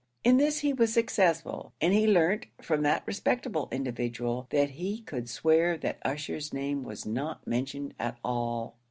In this he was successful, and he learnt from that respectable individual that he could swear that Ussher's name was not mentioned at all.